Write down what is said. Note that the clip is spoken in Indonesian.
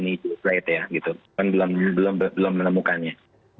dan itu juga selainnya belum menemukannya